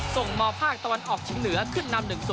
ส่งมอภาคตะวันออกชิงเหนือขึ้น๕๐